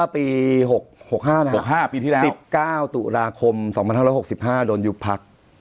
ปี๖๕นะครับ๑๙ตุลาคม๒๐๑๖โดนยุพัก